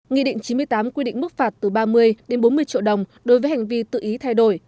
nghị định chín mươi tám quy định mức phạt từ ba mươi đến bốn mươi triệu đồng đối với hành vi tự ý thay đổi